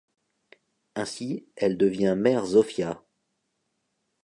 Ainsi, elle devient Mère Zofia.